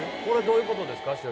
これどういうことですか？